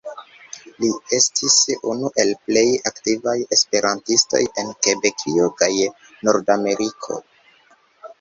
Li estis unu el plej aktivaj esperantistoj en Kebekio kaj Nordameriko.